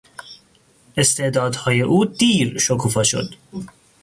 استعدادهای او دیر شکوفا شد.